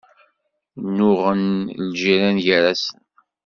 Nnuɣen lǧiran gar-asen.